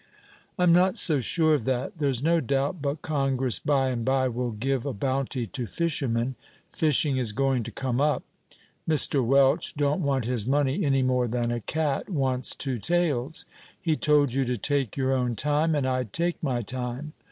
"I'm not so sure of that; there's no doubt but Congress, by and by, will give a bounty to fishermen; fishing is going to come up. Mr. Welch don't want his money any more than a cat wants two tails; he told you to take your own time, and I'd take my time.